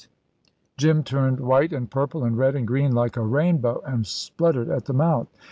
Jim turned white and purple and red and green like a rainbow, and spluttered at the mouth.